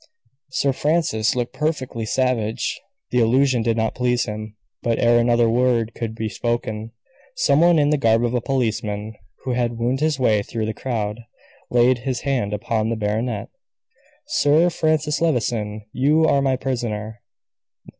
Sir Francis looked perfectly savage; the allusion did not please him. But, ere another word could be spoken, some one in the garb of a policeman, who had wound his way through the crowd, laid his hand upon the baronet. "Sir Francis Levison, you are my prisoner."